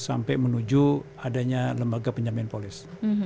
sampai menuju adanya lembaga penjamin polis